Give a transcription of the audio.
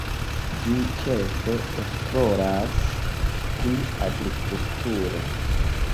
Ĝi ĉefe esploras pri agrikulturo.